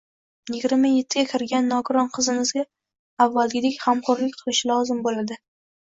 Yigirma ettiga kirgan nogiron qizimizga avvalgidek g`amxo`rlik qilishi lozim bo`ladi